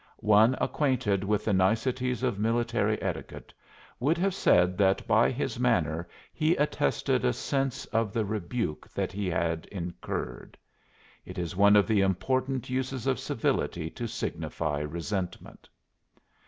One acquainted with the niceties of military etiquette would have said that by his manner he attested a sense of the rebuke that he had incurred. It is one of the important uses of civility to signify resentment.